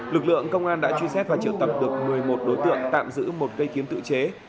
lực lượng công an đã truy xét và triệu tập được một mươi một đối tượng tạm giữ một cây kiếm tự chế